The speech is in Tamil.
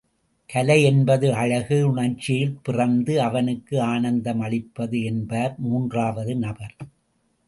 கலை என்பது அழகு ணர்ச்சியிலே பிறந்து அவனுக்கு ஆனந்தம் அளிப்பது என்பார் மூன்றாவது நபர்.